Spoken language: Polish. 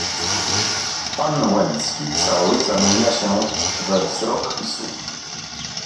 "Pan Łęcki cały zamienia się we wzrok i słuch."